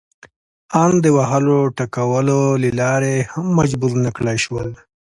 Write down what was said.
ان د وهلو ټکولو له لارې هم مجبور نه کړای شول.